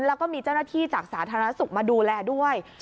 แล้วก็มีเจ้าหน้าที่จากสาธารณสุขมาดูแลด้วย